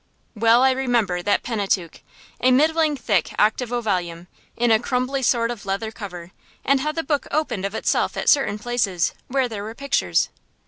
Well I remember that Pentateuch, a middling thick octavo volume, in a crumbly sort of leather cover; and how the book opened of itself at certain places, where there were pictures.